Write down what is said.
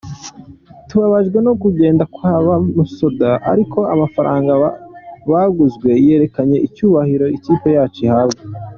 Tubabajwe no kugenda kwa ba Musonda ariko amafaranga baguzwe yerekanye icyubahiro ikipe yacu ihabwa”.